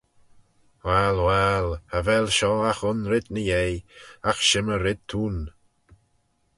Wahll, wahll, cha vel shoh agh un red ny-yei, agh shimmey red t'ayn.